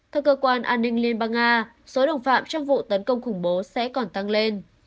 theo cơ quan an ninh liên bang nga số đồng phạm trong vụ tấn công khủng bố sẽ còn tăng lên